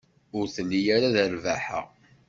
Ur telli ara d rrbaḥa.